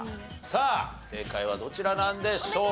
さあ正解はどちらなんでしょうか？